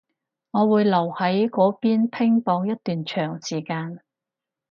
我會留喺嗰邊拼搏一段長時間